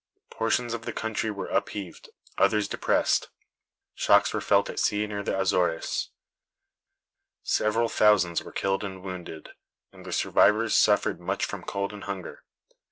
Portions of the country were upheaved; others depressed. Shocks were felt at sea near the Azores. Several thousands were killed and wounded, and the survivors suffered much from cold and hunger.